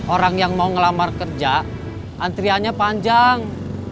orang yang mau ngelamar kerja antriannya panjang